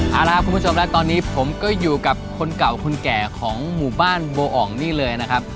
เอาละครับคุณผู้ชมและตอนนี้ผมก็อยู่กับคนเก่าคนแก่ของหมู่บ้านโบอ่องนี่เลยนะครับ